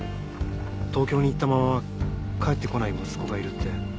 東京に行ったまま帰ってこない息子がいるって。